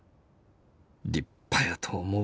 立派やと思う」。